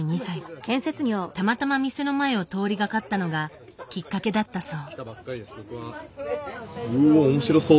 たまたま店の前を通りがかったのがきっかけだったそう。